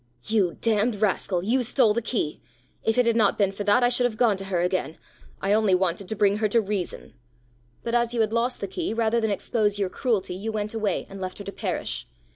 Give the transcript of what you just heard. "You damned rascal, you stole the key. If it had not been for that I should have gone to her again. I only wanted to bring her to reason!" "But as you had lost the key, rather than expose your cruelty, you went away, and left her to perish!